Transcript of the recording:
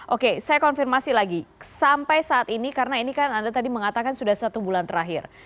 oke saya konfirmasi lagi sampai saat ini karena ini kan anda tadi mengatakan sudah satu bulan terakhir